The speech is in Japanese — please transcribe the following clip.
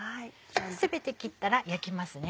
全て切ったら焼きますね。